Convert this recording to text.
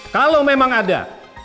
kalau memang ada